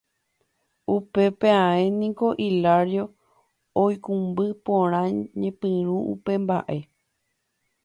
Upépe ae niko Hilario oikũmby porã ñepyrũ upe mbaʼe.